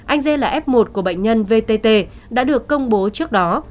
anh g là f một của bệnh nhân vtt đã được công bố trước đó